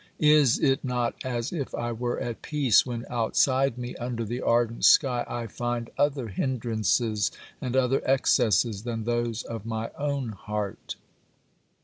Is it not as if I were at peace, when outside me, under the ardent sky, I find other hindrances and other excesses than those of my own heart